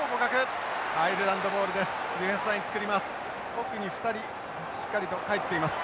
奥に２人しっかりと帰っています。